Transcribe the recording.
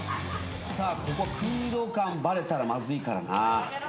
ここは空洞感バレたらまずいからな。